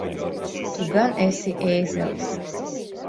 Tu gan esi ēzelis!